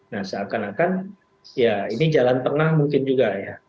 nah seakan akan ya ini jalan tengah mungkin juga ya